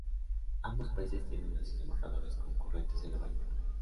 Ambos países tienen a sus embajadores concurrentes en Nueva York.